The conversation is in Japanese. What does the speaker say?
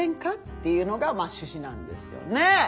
っていうのが趣旨なんですよね。